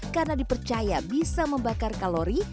karena dipercaya bisa membakar kalori